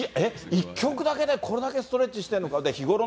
１曲だけでこれだけストレッチしてんのかって。